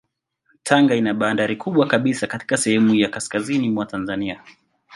Tanga ina bandari kubwa kabisa katika sehemu ya kaskazini mwa Tanzania.